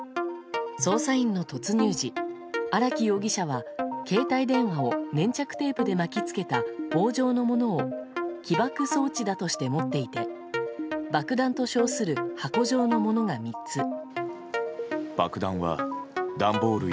捜査員の突入時荒木容疑者は携帯電話を粘着テープで巻き付けた棒状のものを起爆装置だとして持っていて爆弾と称する箱状のものが３つ。